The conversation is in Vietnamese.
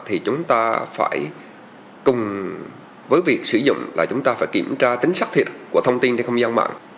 thì chúng ta phải cùng với việc sử dụng là chúng ta phải kiểm tra tính xác thiệt của thông tin trên công an gian mạng